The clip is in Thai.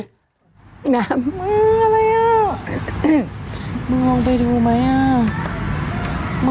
อะไรนี่มึงลองไปดูไหมอ่ะ